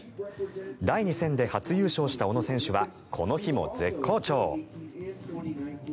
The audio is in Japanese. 第２戦で初優勝した小野選手はこの日も絶好調。